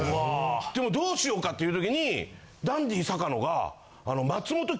でもうどうしようか？っていうときにダンディ坂野が。